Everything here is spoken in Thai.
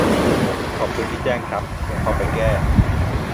ขอบคุณที่แจ้งครับ เดี๋ยวเข้าไปแก้